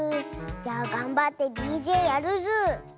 じゃあがんばってＤＪやるズー。